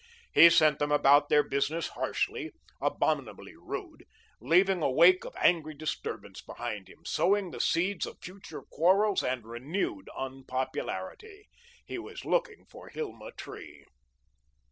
He sent them about their business harshly, abominably rude, leaving a wake of angry disturbance behind him, sowing the seeds of future quarrels and renewed unpopularity. He was looking for Hilma Tree.